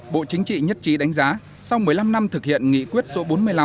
bộ chính trị nhất trí đánh giá sau một mươi năm năm thực hiện nghị quyết số bốn mươi năm